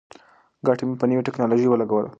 ګټه مې په نوې ټیکنالوژۍ ولګوله.